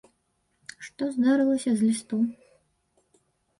Што здарылася з лістом.